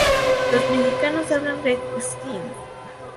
Los mexicanos hablan "red-skins".